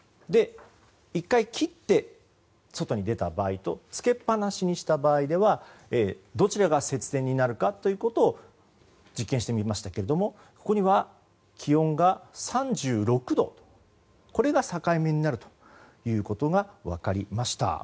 １回切って外に出た場合とつけっぱなしにした場合ではどちらが節電になるかということを実験してみましたけれどもここには気温が３６度これが境目になるということが分かりました。